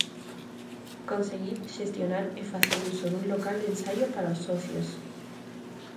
Conseguir, xestionar e facer uso dun local de ensaio para os socios.